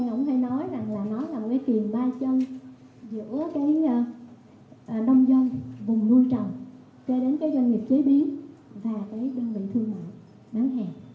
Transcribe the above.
thì ông hay nói rằng là nó là một cái tiền ba chân giữa cái nông dân vùng nuôi trồng cho đến cái doanh nghiệp chế biến và cái đơn vị thương mại bán hàng